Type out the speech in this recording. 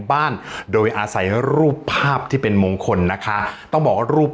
บ้านโดยอาศัยรูปภาพที่เป็นมงคลนะคะต้องบอกว่ารูป